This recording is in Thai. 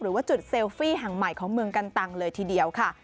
หรือว่าจุดเซลฟี่แห่งใหม่ของเมืองกันตังเลยทีเดียวค่ะ